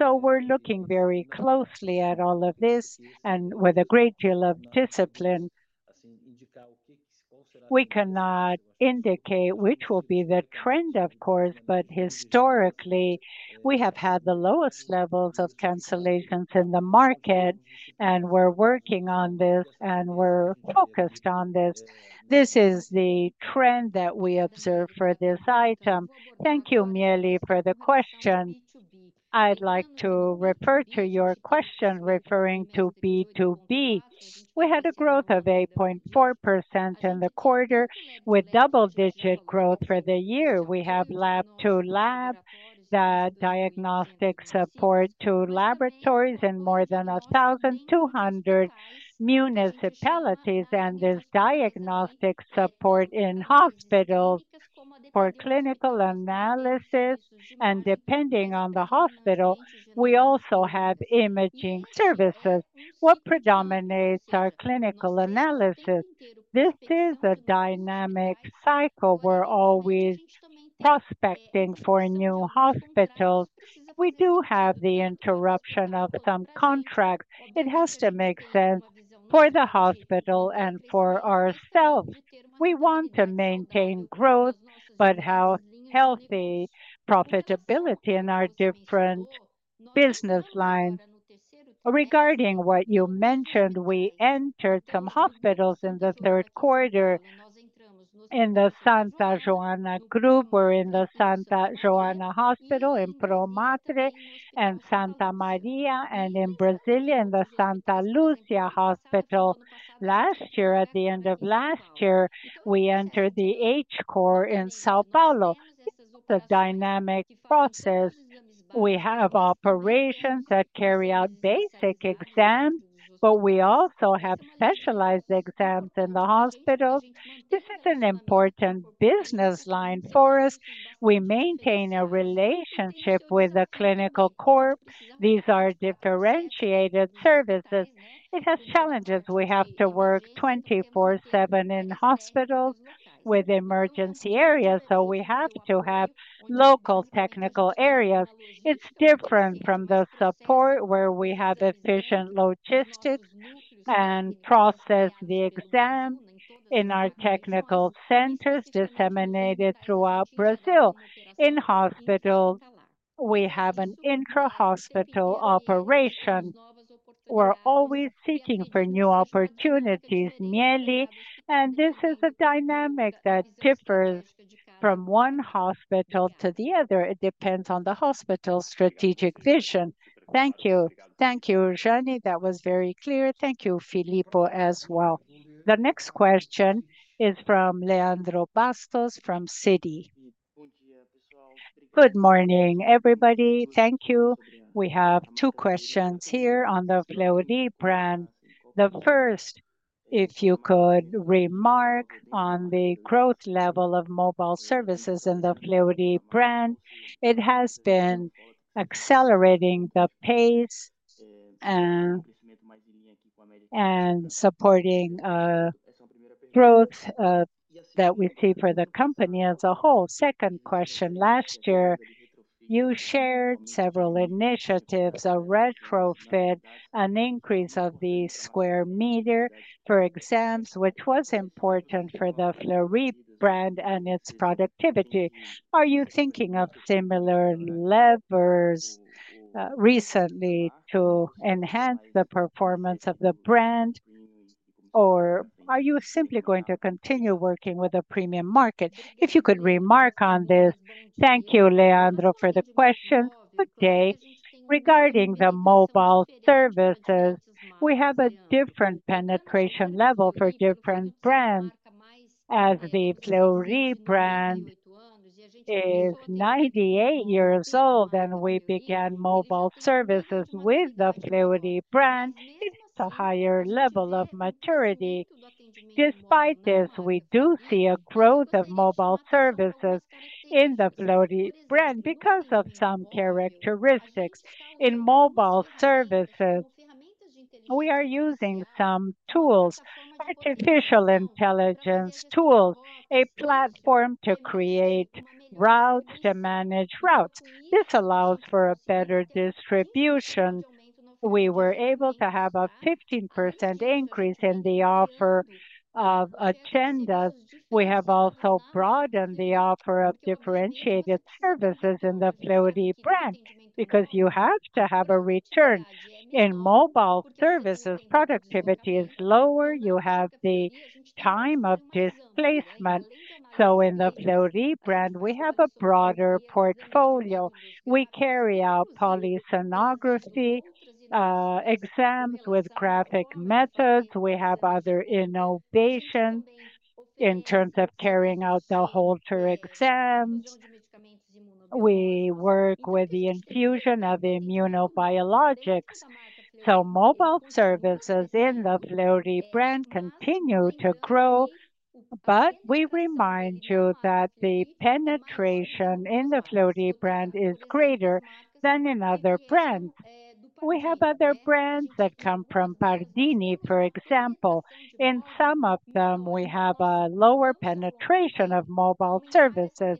We're looking very closely at all of this and with a great deal of discipline. We cannot indicate which will be the trend, of course, but historically, we have had the lowest levels of cancellations in the market, and we're working on this and we're focused on this. This is the trend that we observe for this item. Thank you, Mieli, for the question. I'd like to refer to your question referring to B2B. We had a growth of 8.4% in the quarter with double-digit growth for the year. We have lab to lab, diagnostic support to laboratories in more than 1,200 municipalities, and there's diagnostic support in hospitals for clinical analysis, and depending on the hospital, we also have imaging services. What predominates our clinical analysis? This is a dynamic cycle. We're always prospecting for new hospitals. We do have the interruption of some contracts. It has to make sense for the hospital and for ourselves. We want to maintain growth, but how healthy profitability in our different business lines? Regarding what you mentioned, we entered some hospitals in the Q3 in the Santa Joana Group. We're in the Santa Joana Hospital in Pro Matre and Santa Maria, and in Brazil in the Santa Lúcia Hospital. Last year, at the end of last year, we entered the HCor in São Paulo. This is a dynamic process. We have operations that carry out basic exams, but we also have specialized exams in the hospitals. This is an important business line for us. We maintain a relationship with the clinical core. These are differentiated services. It has challenges. We have to work 24/7 in hospitals with emergency areas, so we have to have local technical areas. It's different from the support where we have efficient logistics and process the exams in our technical centers disseminated throughout Brazil. In hospitals, we have an intrahospital operation. We're always seeking for new opportunities, Mieli, and this is a dynamic that differs from one hospital to the other. It depends on the hospital's strategic vision. Thank you. Thank you, Jeane. That was very clear. Thank you, Filippo, as well. The next question is from Leandro Bastos from Citi. Good morning, everybody. Thank you. We have two questions here on the Fleury brand. The first, if you could remark on the growth level of mobile services in the Fleury brand. It has been accelerating the pace and supporting growth that we see for the company as a whole. Second question. Last year, you shared several initiatives, a retrofit, an increase of the square meter for exams, which was important for the Fleury brand and its productivity. Are you thinking of similar levers recently to enhance the performance of the brand, or are you simply going to continue working with a premium market? If you could remark on this. Thank you, Leandro, for the question. Okay. Regarding the mobile services, we have a different penetration level for different brands. As the Fleury brand is 98 years old and we began mobile services with the Fleury brand, it is a higher level of maturity. Despite this, we do see a growth of mobile services in the Fleury brand because of some characteristics. In mobile services, we are using some tools, artificial intelligence tools, a platform to create routes to manage routes. This allows for a better distribution. We were able to have a 15% increase in the offer of agendas. We have also broadened the offer of differentiated services in the Fleury brand because you have to have a return. In mobile services, productivity is lower. You have the time of displacement. So in the Fleury brand, we have a broader portfolio. We carry out polysonography exams with graphic methods. We have other innovations in terms of carrying out the Holter exams. We work with the infusion of immunobiologics. So mobile services in the Fleury brand continue to grow, but we remind you that the penetration in the Fleury brand is greater than in other brands. We have other brands that come from Pardini, for example. In some of them, we have a lower penetration of mobile services.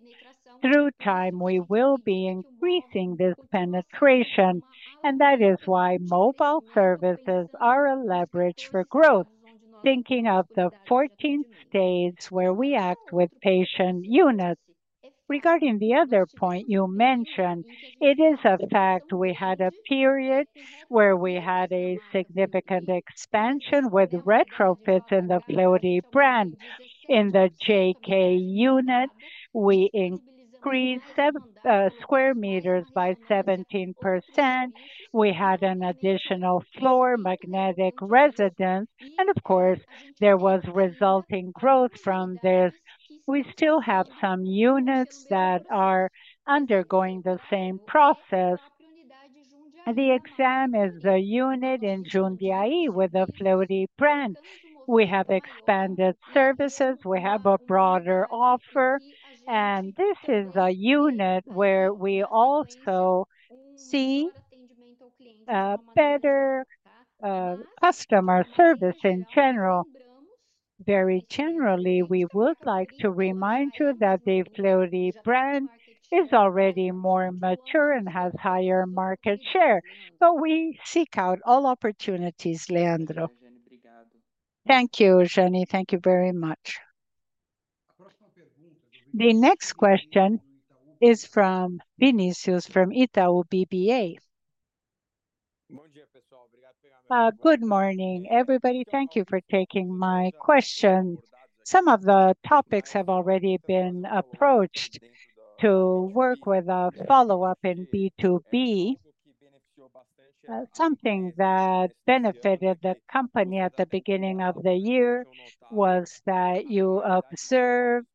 Through time, we will be increasing this penetration, and that is why mobile services are a leverage for growth, thinking of the 14 states where we act with patient units. Regarding the other point you mentioned, it is a fact we had a period where we had a significant expansion with retrofits in the Fleury brand. In the JK unit, we increased square meters by 17%. We had an additional floor, magnetic resonance, and of course, there was resulting growth from this. We still have some units that are undergoing the same process. The JK is a unit in Jundiaí with the Fleury brand. We have expanded services. We have a broader offer, and this is a unit where we also see better customer service in general. Very generally, we would like to remind you that the Fleury brand is already more mature and has higher market share, but we seek out all opportunities, Leandro. Thank you, Jeane. Thank you very much. The next question is from Vinícius from Itaú BBA. Good morning, everybody. Thank you for taking my question. Some of the topics have already been approached to work with a follow-up in B2B. Something that benefited the company at the beginning of the year was that you observed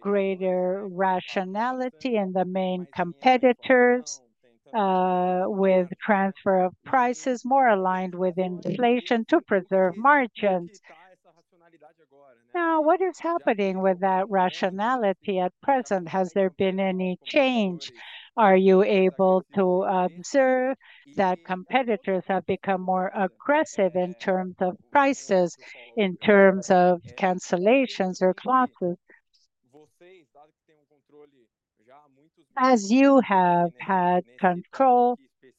greater rationality in the main competitors with transfer of prices, more aligned with inflation to preserve margins. Now, what is happening with that rationality at present? Has there been any change? Are you able to observe that competitors have become more aggressive in terms of prices, in terms of cancellations or clauses? As you have had control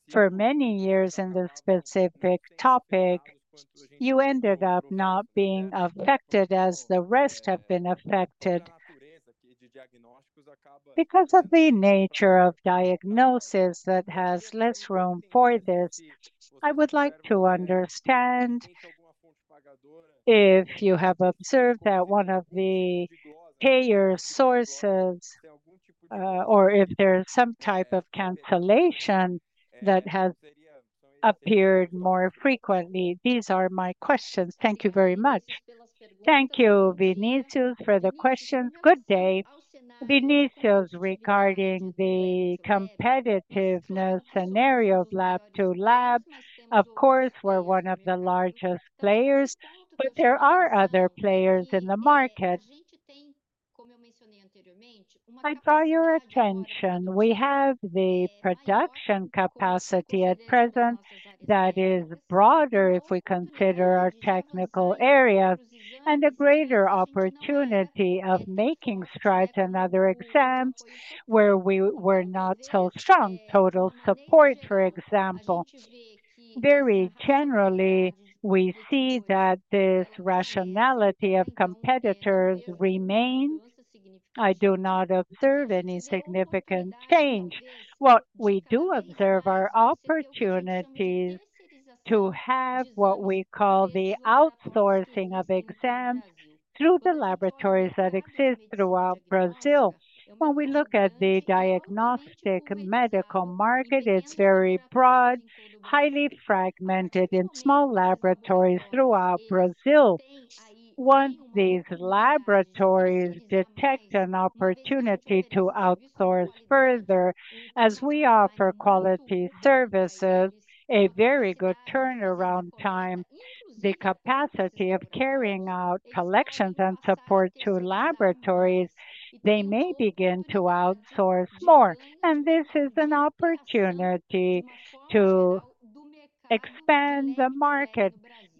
for many years in this specific topic, you ended up not being affected as the rest have been affected. Because of the nature of diagnosis that has less room for this, I would like to understand if you have observed that one of the payer sources or if there is some type of cancellation that has appeared more frequently. These are my questions. Thank you very much. Thank you, Vinícius, for the questions. Good day. Vinícius, regarding the competitiveness scenario of Lab-to-Lab, of course, we're one of the largest players, but there are other players in the market. I draw your attention. We have the production capacity at present that is broader if we consider our technical area and a greater opportunity of making strides in other exams where we were not so strong. Total support, for example. Very generally, we see that this rationality of competitors remains. I do not observe any significant change. What we do observe are opportunities to have what we call the outsourcing of exams through the laboratories that exist throughout Brazil. When we look at the diagnostic medical market, it's very broad, highly fragmented in small laboratories throughout Brazil. Once these laboratories detect an opportunity to outsource further, as we offer quality services, a very good turnaround time, the capacity of carrying out collections and support to laboratories, they may begin to outsource more, and this is an opportunity to expand the market,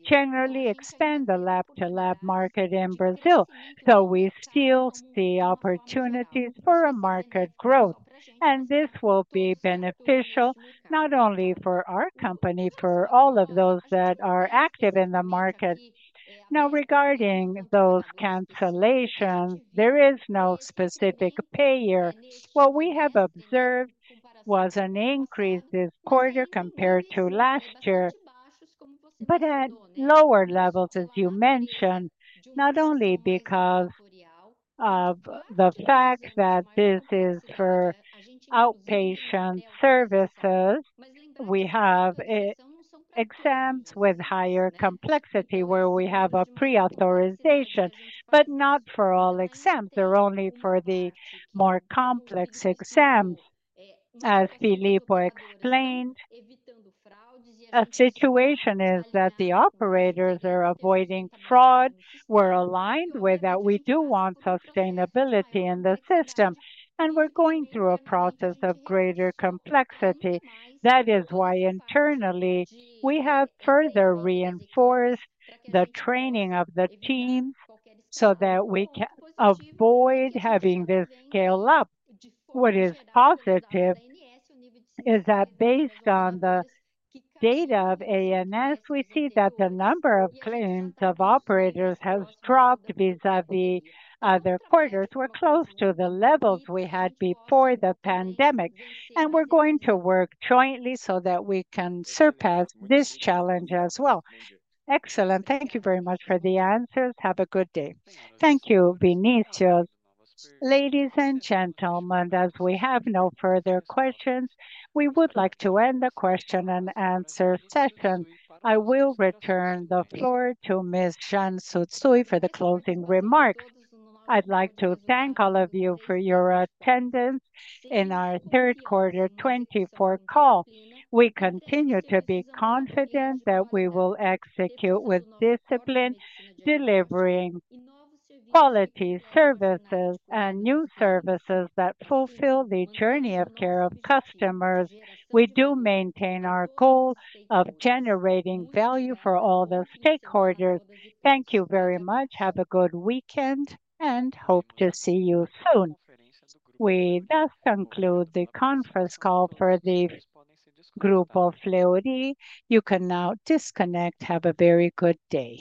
generally expand the lab-to-lab market in Brazil, so we still see opportunities for a market growth, and this will be beneficial not only for our company, but for all of those that are active in the market. Now, regarding those cancellations, there is no specific payer. What we have observed was an increase this quarter compared to last year, but at lower levels, as you mentioned, not only because of the fact that this is for outpatient services. We have exams with higher complexity where we have a pre-authorization, but not for all exams. They're only for the more complex exams. As Filippo explained, a situation is that the operators are avoiding fraud. We're aligned with that. We do want sustainability in the system, and we're going through a process of greater complexity. That is why internally we have further reinforced the training of the teams so that we can avoid having this scale up. What is positive is that based on the data of ANS, we see that the number of claims of operators has dropped vis-à-vis other quarters. We're close to the levels we had before the pandemic, and we're going to work jointly so that we can surpass this challenge as well. Excellent. Thank you very much for the answers. Have a good day. Thank you, Vinícius. Ladies and gentlemen, as we have no further questions, we would like to end the question and answer session. I will return the floor to Ms. Jeane Tsutsui for the closing remarks. I'd like to thank all of you for your attendance in our Q3 2024 call. We continue to be confident that we will execute with discipline, delivering quality services and new services that fulfill the journey of care of customers. We do maintain our goal of generating value for all the stakeholders. Thank you very much. Have a good weekend and hope to see you soon. We thus conclude the conference call for the group of Fleury. You can now disconnect. Have a very good day.